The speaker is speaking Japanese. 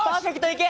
いけ！